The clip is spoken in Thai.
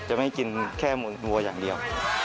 จะไม่กินแค่วัวอย่างเดียว